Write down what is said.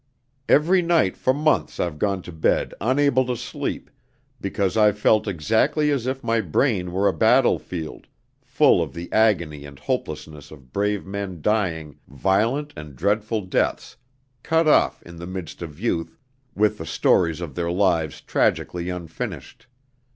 "Every night for months I've gone to bed unable to sleep, because I've felt exactly as if my brain were a battlefield, full of the agony and hopelessness of brave men dying violent and dreadful deaths, cut off in the midst of youth, with the stories of their lives tragically unfinished.